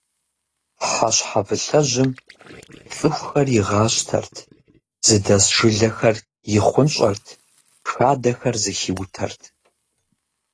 Хьэщхьэвылъэжьым цӏыхухэр игъащтэрт, зыдэс жылэхэр ихъунщӏэрт, хадэхэр зэхиутэрт.